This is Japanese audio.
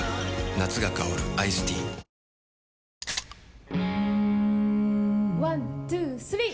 夏が香るアイスティーワン・ツー・スリー！